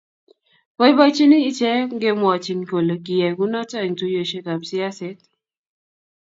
boiboichini iche ngemwachini kole kiyae kunoto eng tuiyoshek kab siaset